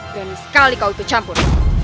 berani sekali kau itu campur